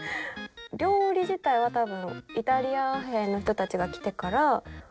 料理自体はたぶんイタリア兵の人たちが来てから。